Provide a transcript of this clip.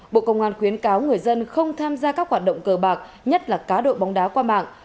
bộ công an khuyến cáo người dân không tham gia các hoạt động cờ bạc nhất là cá độ bóng đá qua mạng